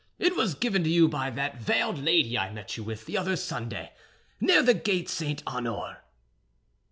It was given to you by that veiled lady I met you with the other Sunday, near the gate St. Honoré."